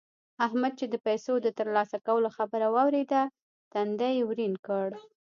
احمد چې د پيسو د تر لاسه کولو خبره واورېده؛ تندی يې ورين کړ.